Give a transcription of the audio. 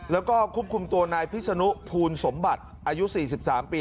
แล้วก็ควบคุมตัวนายพิศนุภูลสมบัติอายุ๔๓ปี